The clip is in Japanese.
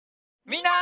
みんな！